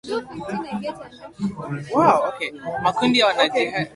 Makundi ya wanajihadi yenye uhusiano na al-Qaeda na Dola ya Kiislamiu